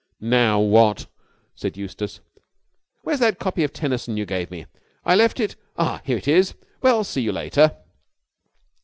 "Now what?" said Eustace. "Where's that copy of Tennyson you gave me? I left it ah, here it is. Well, see you later!"